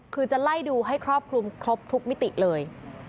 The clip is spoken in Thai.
คือจะไล่ดูให้ครอบคลุมครบทุกมิติเลย